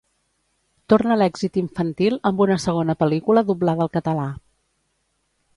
Torna l'èxit infantil amb una segona pel·lícula doblada al català.